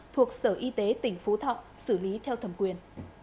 thuộc sở y tế tỉnh phú thọ xử lý theo thẩm quyền